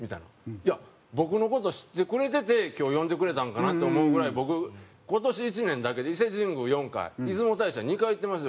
「いや僕の事知ってくれてて今日呼んでくれたんかなと思うぐらい僕今年１年だけで伊勢神宮４回出雲大社２回行ってますよ